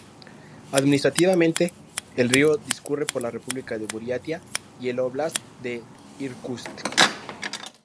Administrativamente, el río discurre por la república de Buriatia y el óblast de Irkutsk.